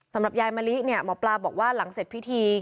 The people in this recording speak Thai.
สำหรับยายมะลิเนี่ยหมอปลาบอกว่าหลังเสร็จพิธี